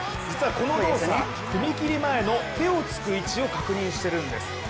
実はこの動作、踏み切り前の手をつく位置を確認してるんです